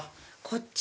こっち？